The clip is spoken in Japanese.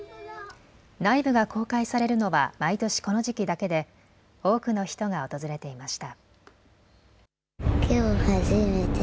内部が公開されるのは毎年この時期だけで多くの人が訪れていました。